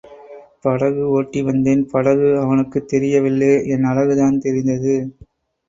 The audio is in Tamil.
படகு ஒட்டி வந்தேன், படகு அவனுக்குத் தெரிய வில்லை என் அழகுதான் தெரிந்தது.